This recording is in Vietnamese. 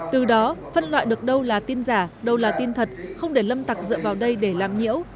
từ đó phân loại được đâu là tin giả đâu là tin thật không để lâm tặc dựa vào đây để làm nhiễu